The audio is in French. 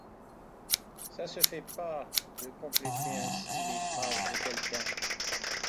ça se fait pas de compléter ainsi les phrases de quelqu'un.